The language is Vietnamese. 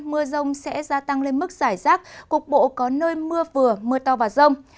mưa rông sẽ gia tăng lên mức giải rác cục bộ có nơi mưa vừa mưa to và rông